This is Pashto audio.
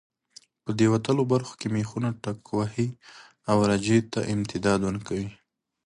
په دې وتلو برخو کې مېخونه ټکوهي او رجه ته امتداد ورکوي.